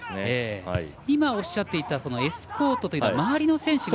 今、おっしゃっていたエスコートというか、周りの選手。